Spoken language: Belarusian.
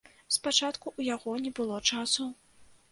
Спачатку ў яго не было часу.